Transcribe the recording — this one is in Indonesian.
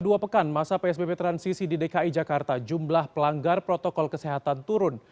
dua pekan masa psbb transisi di dki jakarta jumlah pelanggar protokol kesehatan turun